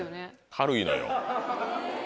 軽いのよ。